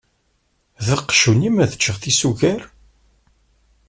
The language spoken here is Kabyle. D aqjun-im ad ččeɣ tisugar!?